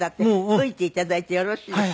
吹いて頂いてよろしいですか？